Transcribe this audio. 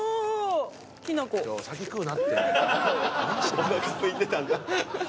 おなかすいてたんだ！